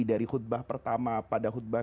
dari khutbah pertama pada khutbah